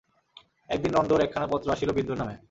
একদিন নন্দর একখানা পত্র আসিল বিন্দুর নামে।